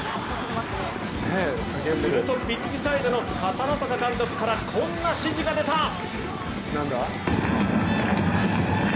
するとピッチサイドの片野坂監督からこんな指示が出た！